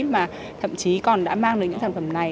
mà thậm chí còn đã mang đến những sản phẩm này